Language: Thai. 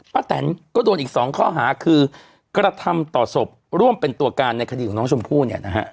แตนก็โดนอีกสองข้อหาคือกระทำต่อศพร่วมเป็นตัวการในคดีของน้องชมพู่เนี่ยนะฮะ